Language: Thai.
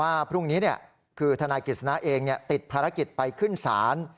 พรุ่งนี้คือทนายกฤษณะเองติดภารกิจไปขึ้นศาล